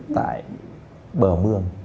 tại bờ mương